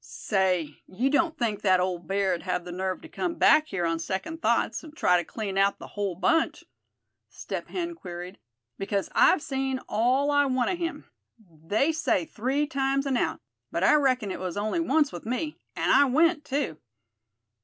"Say, you don't think that old bear'd have the nerve to come back here on second thoughts, and try to clean out the whole bunch?" Step Hen queried; "because I've seen all I want of him. They say three times and out; but I reckon it was only once with me; and I went, too."